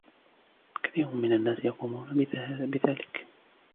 كثير من الناس يقومون بذلك.